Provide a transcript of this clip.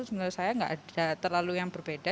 menurut saya nggak ada terlalu yang berbeda